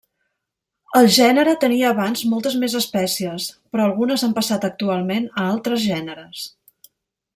El gènere tenia abans moltes més espècies però algunes han passat actualment a altres gèneres.